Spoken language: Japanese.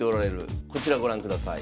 こちらご覧ください。